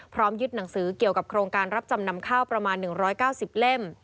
ยึดหนังสือเกี่ยวกับโครงการรับจำนำข้าวประมาณ๑๙๐เล่ม